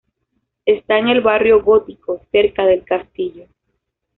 Está en el Barrio Gótico, cerca del castillo.